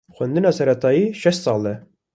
Xwendina seretayî şeş sal e.